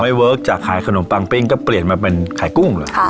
เวิร์คจากขายขนมปังปิ้งก็เปลี่ยนมาเป็นขายกุ้งเลย